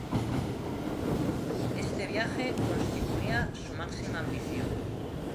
Este viaje constituía su máxima ambición.